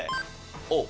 おっ！